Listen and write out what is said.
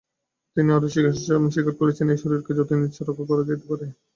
তিনি আরও স্বীকার করিয়াছেন যে, এই শরীরকে যতদিন ইচ্ছা রক্ষা করা যাইতে পারে।